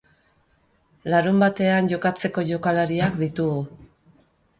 Larunbatean jokatzeko jokalariak ditugu.